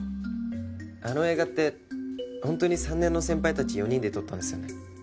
あの映画ってホントに３年の先輩たち４人で撮ったんですよね？